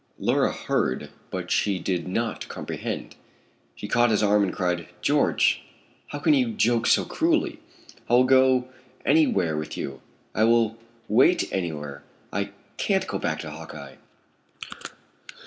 Laura heard, but she did not comprehend. She caught his arm and cried, "George, how can you joke so cruelly? I will go any where with you. I will wait any where. I can't go back to Hawkeye."